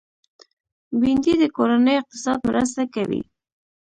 بېنډۍ د کورني اقتصاد مرسته کوي